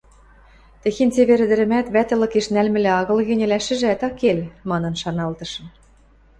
«Техень цевер ӹдӹрӹмӓт вӓтӹлыкеш нӓлмӹлӓ агыл гӹнь, ӹлӓшӹжӓт ак кел», – манын шаналтышым.